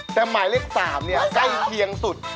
แต่หมายเลข๓ใกล้เคียงสุด